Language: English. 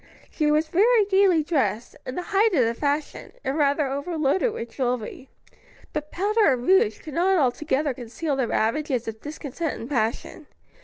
She was very gayly dressed, in the height of the fashion, and rather overloaded with jewelry; but powder and rouge could not altogether conceal the ravages of discontent and passion.